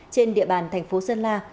trên địa bàn thành phố sơn la